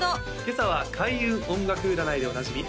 今朝は開運音楽占いでおなじみ